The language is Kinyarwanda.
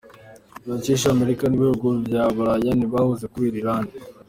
Vyoshika Amerika n'ibihugu vya bulaya ntibahuze kubera Irani?.